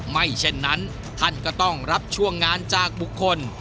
ไม่เช่นนั้นท่านก็ต้องรับช่วงงานจากบุคคล